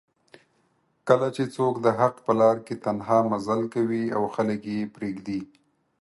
کله چې څوک دحق په لار کې تنها مزل کوي او خلک یې پریږدي